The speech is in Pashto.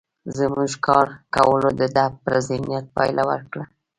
زموږ کار کولو د ده پر ذهنيت پايله ورکړه.